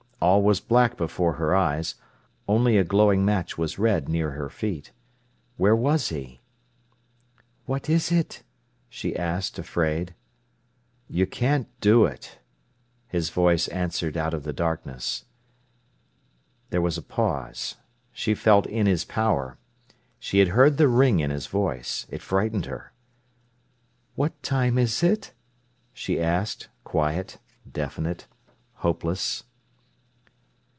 All was black before her eyes; only a glowing match was red near her feet. Where was he? "What is it?" she asked, afraid. "You can't do it," his voice answered out of the darkness. There was a pause. She felt in his power. She had heard the ring in his voice. It frightened her. "What time is it?" she asked, quiet, definite, hopeless.